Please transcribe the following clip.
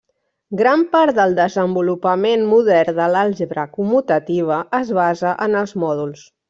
Gran part del desenvolupament modern de l'àlgebra commutativa es basa en els mòduls.